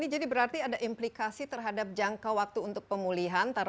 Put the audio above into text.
berarti ada implikasi terhadap jangka waktu untuk pemulihan